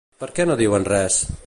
Per què no diuen res?